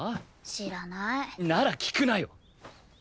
知らなーい。なら聞くなよ！